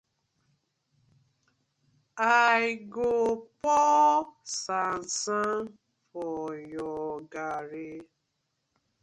I go pour sand sand for your garri.